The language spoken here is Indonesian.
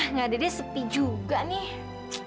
nggak ada dia sepi juga nih